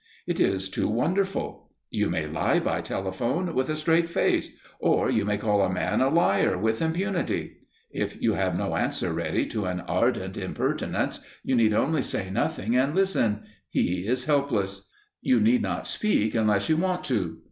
It is too wonderful. You may lie by telephone, with a straight face, or you may call a man a liar with impunity. If you have no answer ready to an ardent impertinence, you need only say nothing and listen he is helpless; you need not speak unless you want to.